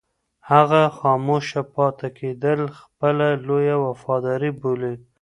هغه خاموشه پاتې کېدل خپله لویه وفاداري بولي.